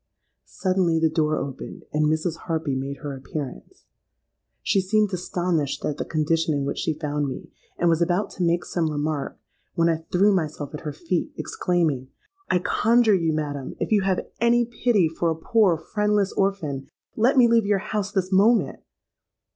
Suddenly the door opened, and Mrs. Harpy made her appearance. She seemed astonished at the condition in which she found me, and was about to make some remark, when I threw myself at her feet, exclaiming, 'I conjure you, madam—if you have any pity for a poor friendless orphan—let me leave your house this moment!'